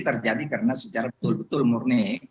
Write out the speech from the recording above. terjadi karena secara betul betul murni